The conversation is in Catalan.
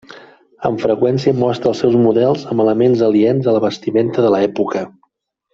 Amb freqüència mostra els seus models amb elements aliens a la vestimenta de l'època.